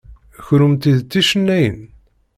Kennemti d ticennayin?